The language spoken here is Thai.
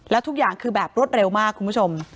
แล้วทุกอย่างคือแบบรวดเร็วมากคุณผู้ชม